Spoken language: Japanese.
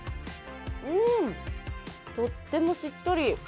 うん、とってもしっとり。